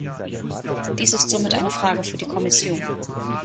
Dies ist somit eine Frage für die Kommission.